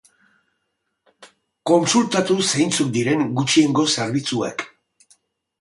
Kontsulatu zeintzuk diren gutxiengo zerbitzuak.